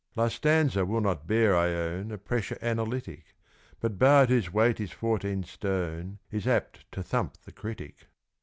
(Last stanza will not bear, I own, A pressure analytic; But bard whose weight is fourteen stone, Is apt to thump the critic.)